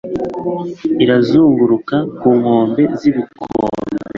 irazunguruka ku nkombe z'ibikombe